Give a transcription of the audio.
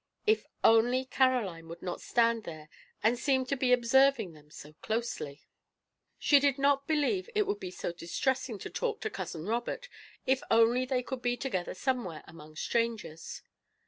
If only Caroline would not stand there and seem to be observing them so closely! She did not believe it would be so distressing to talk to Cousin Robert if only they could be together somewhere among strangers.